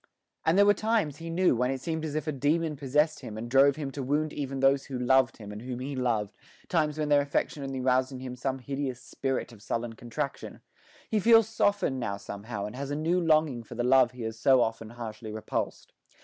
And there were times, he knew, when it seemed as if a demon possessed him and drove him to wound even those who loved him and whom he loved times when their affection only roused in him some hideous spirit of sullen contradiction. He feels softened now somehow, and has a new longing for the love he has so often harshly repulsed.